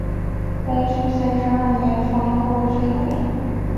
光绪三十二年方告竣工。